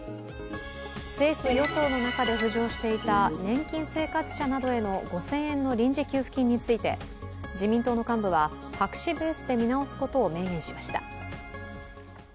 政府・与党の中で浮上していた年金生活者などへの５０００円の臨時給付近について自民党の幹部は白紙ベースで見直すことを名言しました。